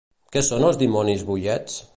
Què són els dimonis boiets?